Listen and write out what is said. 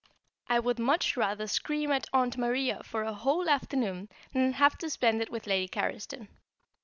I would much rather scream at Aunt Maria for a whole afternoon than have to spend it with Lady Carriston.